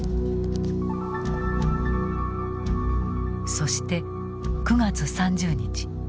そして９月３０日。